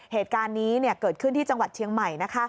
เหตุการณ์นี้เกิดขึ้นที่จังหวัดเชียงใหม่